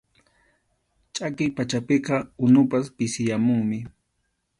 Chʼakiy pachapiqa unupas pisiyamunmi.